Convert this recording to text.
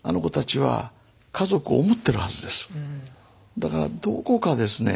だからどこかですね